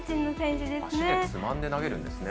足でつまんで投げるんですね。